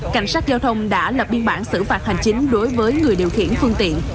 các giao thông đã lập biên bản xử phạt hành chính đối với người điều khiển phương tiện